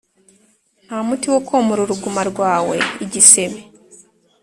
Nta muti wo komora uruguma rwawe igisebe